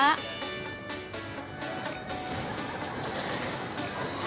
terima kasih pak